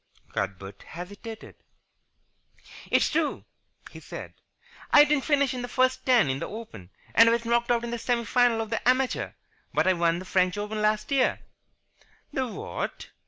Cuthbert hesitated. "It's true," he said, "I didn't finish in the first ten in the Open, and I was knocked out in the semi final of the Amateur, but I won the French Open last year." "The what?"